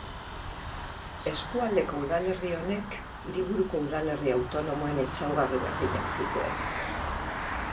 Eskualdeko udalerri honek hiriburuko udalerri autonomoen ezaugarri berdinak zituen.